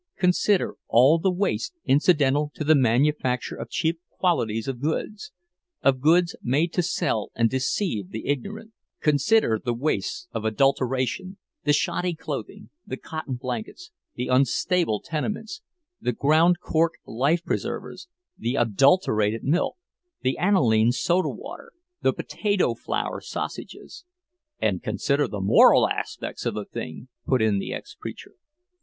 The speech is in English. Consider all the waste incidental to the manufacture of cheap qualities of goods, of goods made to sell and deceive the ignorant; consider the wastes of adulteration,—the shoddy clothing, the cotton blankets, the unstable tenements, the ground cork life preservers, the adulterated milk, the aniline soda water, the potato flour sausages—" "And consider the moral aspects of the thing," put in the ex preacher.